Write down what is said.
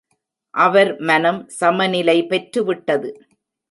அவர் மனம் சமநிலை பெற்றுவிட்டது.